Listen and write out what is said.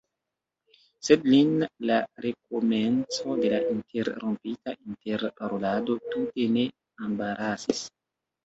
Sed lin la rekomenco de la interrompita interparolado tute ne embarasis.